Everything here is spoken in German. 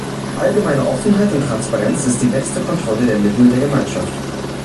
Allgemeine Offenheit und Transparenz ist die beste Kontrolle der Mittel der Gemeinschaft.